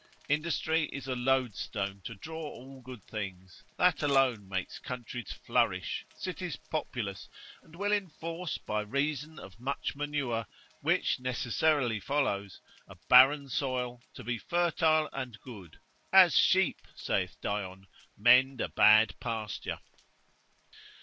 Industry is a loadstone to draw all good things; that alone makes countries flourish, cities populous, and will enforce by reason of much manure, which necessarily follows, a barren soil to be fertile and good, as sheep, saith Dion, mend a bad pasture.